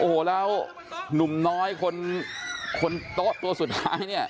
โอ้โหแล้วหนุ่มน้อยคนโต๊ะตัวสุดท้ายเนี่ย